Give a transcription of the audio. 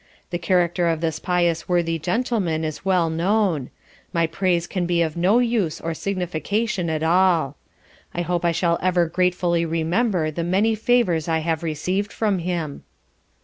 The character of this pious worthy Gentleman is well known; my praise can be of no use or signification at all. I hope I shall ever gratefully remember the many favours I have received from him.